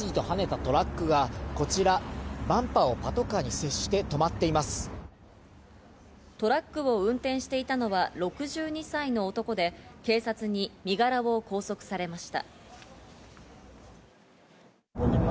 トラックを運転していたのは６２歳の男で、警察に身柄を拘束されました。